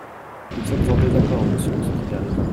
Nous sommes en désaccord, monsieur le secrétaire d’État.